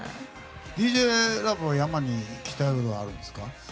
ＤＪＬＯＶＥはｙａｍａに聞きたいことがあるんですか？